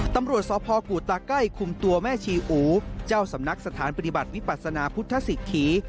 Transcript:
ตำรวจสพกูตาใกล้คุมตัวแม่ชีอูเจ้าสำนักสถานปฏิบัติวิปัสนาพุทธศิกษี